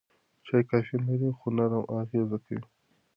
چای کافین لري خو نرم اغېز کوي.